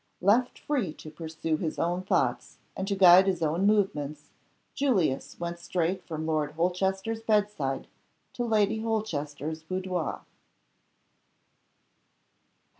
Left free to pursue his own thoughts, and to guide his own movements, Julius went straight from Lord Holchester's bedside to Lady Holchester's boudoir.